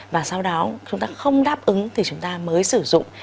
và sau đó chúng ta không đáp ứng thì chúng ta mới sử dụng